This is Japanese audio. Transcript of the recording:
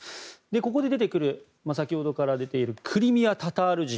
ここで出てくる先ほどから出ているクリミア・タタール人。